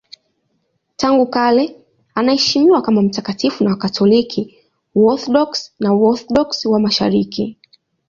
Tangu kale anaheshimiwa kama mtakatifu na Wakatoliki, Waorthodoksi na Waorthodoksi wa Mashariki.